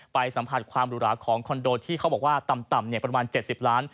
สัมผัสความหรูหราของคอนโดที่เขาบอกว่าต่ำประมาณ๗๐ล้าน